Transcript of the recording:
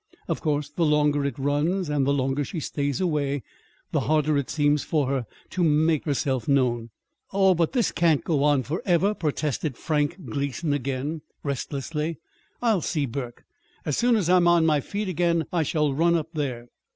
Of course the longer it runs, and the longer she stays away, the harder it seems for her to make herself known." "Oh, but this can't go on forever," protested Frank Gleason again, restlessly. "I'll see Burke. As soon as I'm on my feet again I shall run up there."